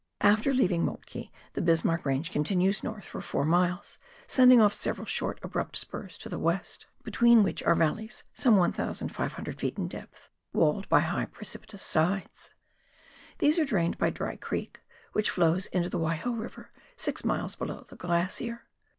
After leaving Moltke, the Bis marck Range continues north for four miles, sending off several short abrupt spurs to the west, between which are valleys of 72 PIONEER WORK IN THE ALPS OF NEW ZEALAND. some 1,500 ft. in depth, walled by high precipitous sides. These are drained by " Dry " Creek, which flows into the "Waiho River, six miles below the glacier.